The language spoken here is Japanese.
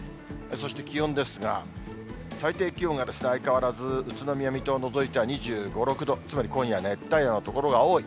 そして気温ですが、最低気温が相変わらず宇都宮、水戸を除いては２５、６度、つまり今夜は熱帯夜の所が多い。